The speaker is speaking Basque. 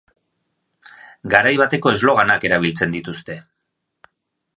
Garai bateko sloganak erabiltzen dituzte.